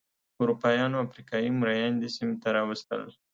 اروپایانو افریقايي مریان دې سیمې ته راوستل.